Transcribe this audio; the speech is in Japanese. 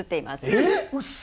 えっ？